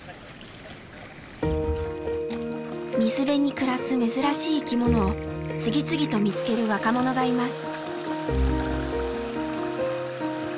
水辺に暮らす珍しい生きものを次々と見つける若者がいます。